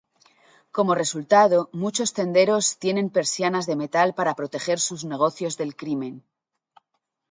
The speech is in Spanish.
Como resultado, muchos tenderos tienen persianas de metal para proteger sus negocios del crimen.